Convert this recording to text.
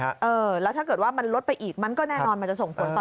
เออแล้วถ้าเกิดว่ามันลดไปอีกมันก็แน่นอนมันจะส่งผลต่อ